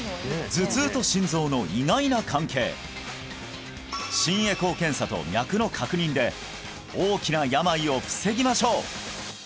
頭痛と心臓の意外な関係心エコー検査と脈の確認で大きな病を防ぎましょう！